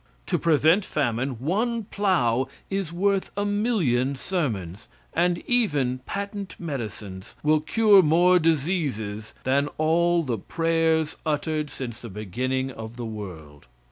To prevent famine, one plow is worth a million sermons, and even patent medicines will cure more diseases than all the prayers uttered since the beginning of the world.